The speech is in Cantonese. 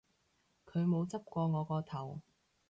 佢冇執過我個頭